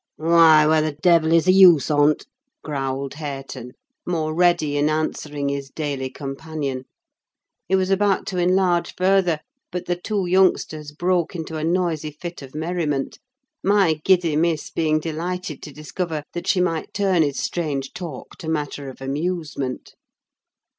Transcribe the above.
"Why, where the devil is the use on't?" growled Hareton, more ready in answering his daily companion. He was about to enlarge further, but the two youngsters broke into a noisy fit of merriment: my giddy miss being delighted to discover that she might turn his strange talk to matter of amusement.